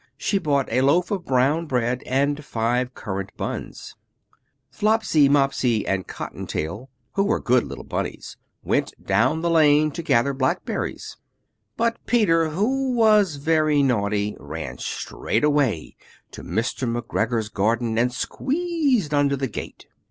She bought a loaf of brown bread and five currant buns. Flopsy, Mopsy, and Cottontail, who were good little bunnies, went down the lane to gather blackberries: But Peter, who was very naughty, ran straight away to Mr. McGregor's garden, and squeezed under the gate!